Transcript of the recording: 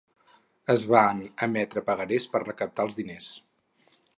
Es van emetre pagarés per recaptar els diners.